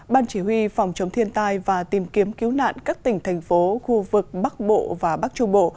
ban chỉ huy phòng chống thiên tai và tìm kiếm cứu nạn các tỉnh thành phố khu vực bắc bộ và bắc trung bộ